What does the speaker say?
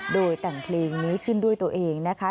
โดยแต่งเพลงนี้ขึ้นด้วยตัวเองนะคะ